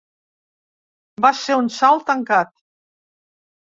Va ser un salt tancat.